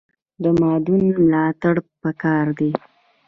د مادون ملاتړ پکار دی